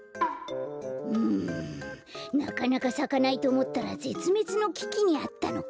うんなかなかさかないとおもったらぜつめつのききにあったのか。